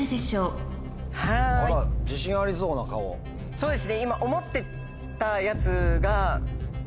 そうですね今。